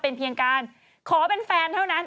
เป็นเพียงการขอเป็นแฟนเท่านั้น